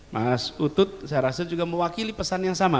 mas utut saya rasa juga mewakili pesan yang sama